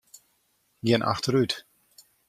Gean achterút.